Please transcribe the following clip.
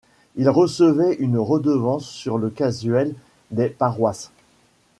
Il recevait une redevance sur le casuel des paroisses.